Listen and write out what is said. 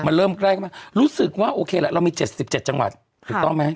มันเริ่มใกล้เข้ามารู้สึกว่าโอเคละเรามี๗๗จังหวัดถูกต้องไหม